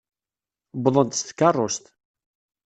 Uwḍen-d s tkeṛṛust.